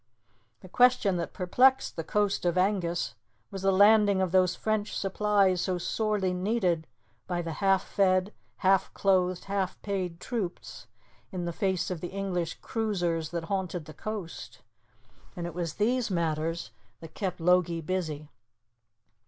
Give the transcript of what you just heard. The question that perplexed the coast of Angus was the landing of those French supplies so sorely needed by the half fed, half clothed, half paid troops, in the face of the English cruisers that haunted the coast; and it was these matters that kept Logie busy.